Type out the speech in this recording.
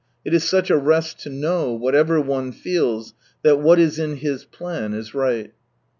It is such a rest to hww, whatever owtfeth, that what is in His plan, is right.